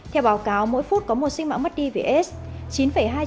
theo báo cáo mỗi phút có một sinh mạng mất đi vì aids